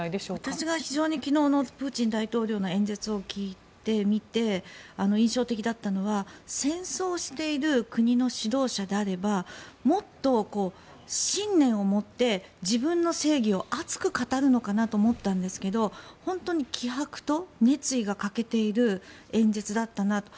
私が非常に昨日のプーチン大統領の演説を聞いて、見て印象的だったのは戦争をしている国の指導者であればもっと信念を持って自分の正義を熱く語るのかなと思ったんですが本当に気迫と熱意が欠けている演説だったなと。